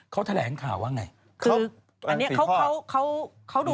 เขาแถลงวันนี้แล้วนะคุณถุง